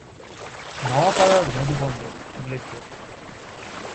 নওয়াপাড়ার নদীবন্দর উল্লেখযোগ্য।